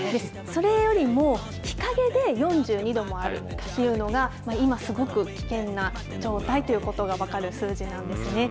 それよりも、日陰で４２度もあるというのが、今すごく危険な状態ということが分かる数字なんですね。